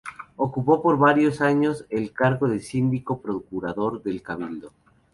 Ocupó por varios años el cargo de síndico procurador del cabildo.